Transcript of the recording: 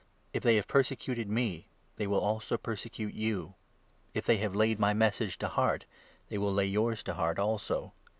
If they have persecuted me, they will also persecute you ; if they have laid my Message to heart, they will lay yours to heart also.